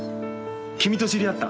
君と知り合った。